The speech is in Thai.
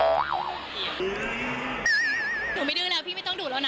ถูกไม่ดึงแล้วพี่ไม่ต้องดุแล้วนะ